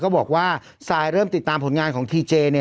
บอกว่าซายเริ่มติดตามผลงานของทีเจ